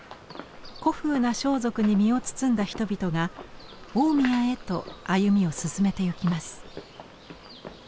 古風な装束に身を包んだ人々が大宮へと歩みを進めてゆきます。